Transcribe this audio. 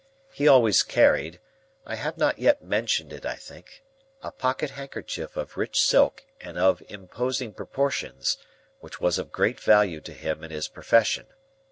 He always carried (I have not yet mentioned it, I think) a pocket handkerchief of rich silk and of imposing proportions, which was of great value to him in his profession.